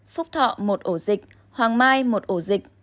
phúc thọ một ổ dịch hoàng mai một ổ dịch